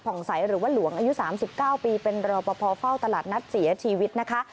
ใสหรือว่าหลวงอายุ๓๙ปีเป็นรอปภเฝ้าตลาดนัดเสียชีวิตนะคะ